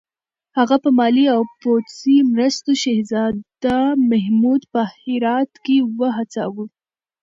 هغه په مالي او پوځي مرستو شهزاده محمود په هرات کې وهڅاوه.